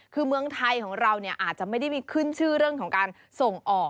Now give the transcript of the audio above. คือเมืองไทยของเราอาจจะไม่ได้มีขึ้นชื่อเรื่องของการส่งออก